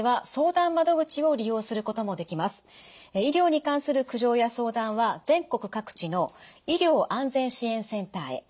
医療に関する苦情や相談は全国各地の医療安全支援センターへ。